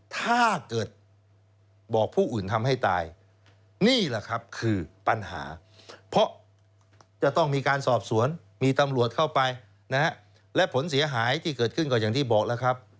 ถ้าเกิดบอกผู้อื่นทำให้ตายนี่แหละครับคือปัญหาเพราะจะต้องมีการสอบสวนมีตำรวจเข้าไปนะฮะและผลเสียหายที่เกิดขึ้นก็อย่างที่บอกแล้วครับ